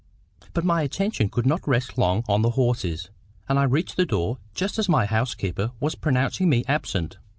But my attention could not rest long on the horses, and I reached the door just as my housekeeper was pronouncing me absent.